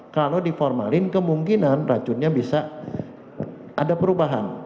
kalau diformalin kemungkinan racunnya bisa ada perubahan